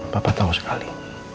papa tau sekali